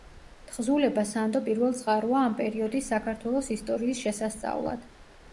თხზულება სანდო პირველწყაროა ამ პერიოდის საქართველოს ისტორიის შესასწავლად.